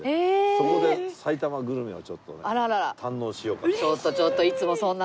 そこで埼玉グルメをちょっとね堪能しようかと。